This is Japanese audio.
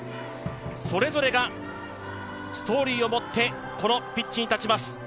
それぞれがストーリーを持ってこのピッチに立ちます。